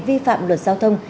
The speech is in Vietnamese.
vi phạm luật giao thông